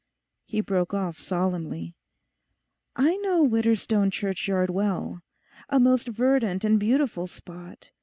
He broke off solemnly. 'I know Widderstone churchyard well; a most verdant and beautiful spot.